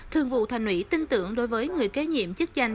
thường vụ thành ủy tin tưởng đối với người kế nhiệm chức danh